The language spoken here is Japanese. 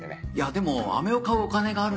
でもあめを買うお金があるんなら。